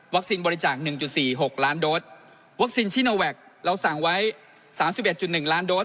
วัคซีนบริจาคหนึ่งจุดสี่หกล้านโดรสวัคซีนเราสั่งไว้สามสิบเอ็ดจุดหนึ่งล้านโดรส